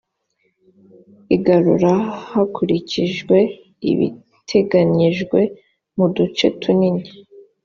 igarura hakurikijwe ibiteganyijwe mu duce tunini